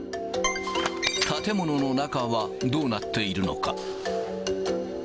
建物の中はどうなっているのか。